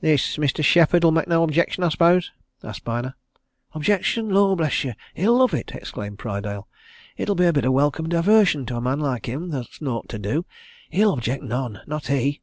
"This Mr. Shepherd'll make no objection, I suppose?" asked Byner. "Objection! Lor' bless you he'll love it!" exclaimed Prydale. "It'll be a bit of welcome diversion to a man like him that's naught to do. He'll object none, not he!"